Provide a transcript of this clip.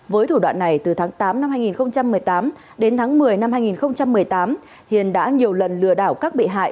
với thủ đoạn này từ tháng tám năm hai nghìn một mươi tám đến tháng một mươi năm hai nghìn một mươi tám hiền đã nhiều lần lừa đảo các bị hại